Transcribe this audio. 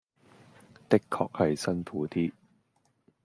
的確係辛苦啲